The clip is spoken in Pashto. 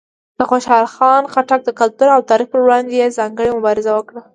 د خوشحال خان خټک د کلتور او تاریخ پر وړاندې یې ځانګړې مبارزه وکړه.